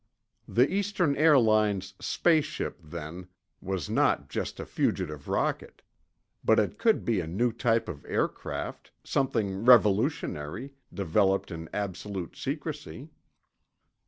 The Eastern Airlines "space ship," then, was not just a fugitive rocket. But it could be a new type of aircraft, something revolutionary, developed in absolute secrecy.